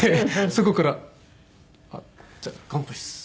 そこから「あっじゃあ乾杯っす」